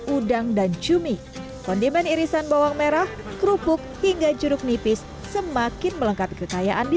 udang dan cumi kondimen irisan bawang merah kerupuk hingga jeruk nipis semakin melengkapi kekayaan di